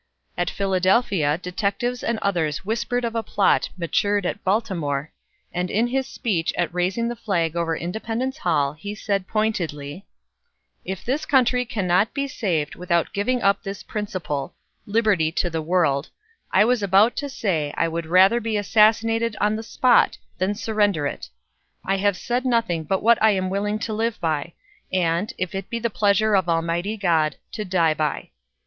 At Philadelphia, detectives and others whispered of a plot matured at Baltimore, and in his speech at raising the flag over Independence Hall he said pointedly: "If this country cannot be saved without giving up this principle liberty to the world I was about to say I would rather be assassinated on the spot than surrender it.... I have said nothing but what I am willing to live by, and, if it be the pleasure of Almighty God, to die by."